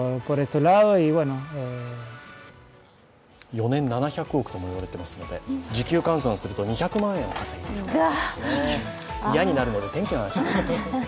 ４年７００億とも言われてますので時給換算すると２００万円稼いでいる嫌になるので天気の話をします。